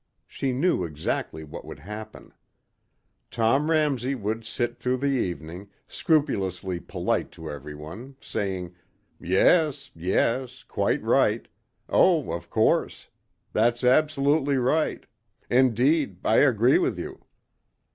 She knew exactly what would happen. Tom Ramsey would sit through the evening, scrupulously polite to everyone, saying, "Yes, yes. Quite right. Oh, of course. That's absolutely right.... Indeed, I agree with you...."